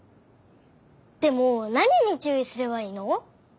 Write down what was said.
でもなににちゅういすればいいの？